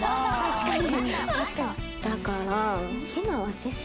確かに。